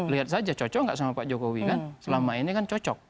lihat saja cocok nggak sama pak jokowi kan selama ini kan cocok